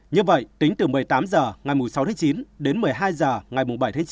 như vậy tính từ một mươi tám h ngày sáu chín đến một mươi hai h ngày bảy chín